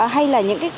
hay là những cái